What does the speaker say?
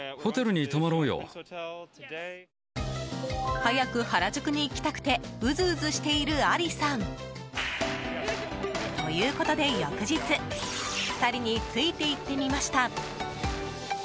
早く原宿に行きたくてうずうずしているアリさん。ということで翌日２人に、ついていってみました。